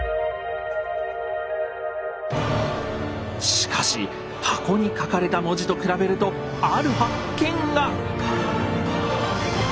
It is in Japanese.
しかし箱に書かれた文字と比べるとある発見が！